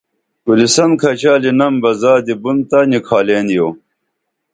کُریسن کھچالینم بہ زادی بُن تہ نِکھالین یو